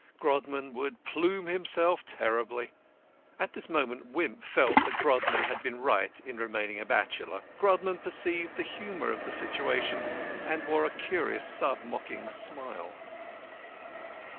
Grodman would plume himself terribly. At this moment Wimp felt that Grodman had been right in remaining a bachelor. Grodman perceived the humour of the situation, and wore a curious, sub mocking smile.